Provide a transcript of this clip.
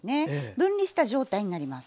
分離した状態になります。